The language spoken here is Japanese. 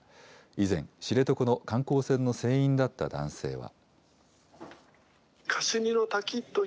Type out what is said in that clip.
以前、知床の観光船の船員だった男性は。